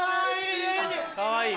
かわいい！